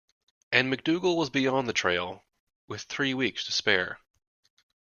And MacDougall was beyond the trail, with three weeks to spare.